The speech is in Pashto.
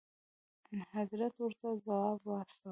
انحضرت ورته ځواب واستوه.